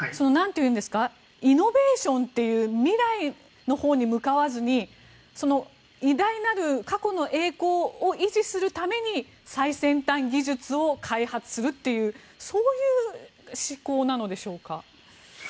イノベーションという未来のほうに向かわずに偉大なる過去の栄光を維持するために最先端技術を開発するというそういう思考なのでしょうか。